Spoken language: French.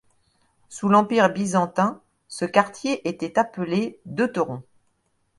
Sous l'Empire byzantin, ce quartier était appelé Deuteron.